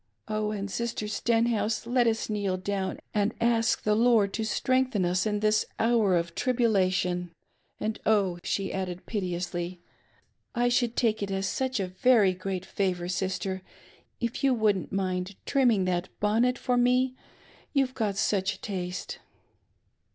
And, oh, Sister Stenhouse MAKIKG A WEbDlNG DAY PLEASANT ! 595 let US kneel down and ask the Lord to streijgthen us in this hour of tribulation ; and, oh," she added piteously, " I should take it such a very great favor. Sister, if you wouldn't mind trimming that bonnet for me — you've got such taste!"